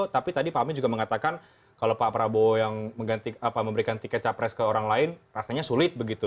tapi tadi pak amin juga mengatakan kalau pak prabowo yang memberikan tiket capres ke orang lain rasanya sulit begitu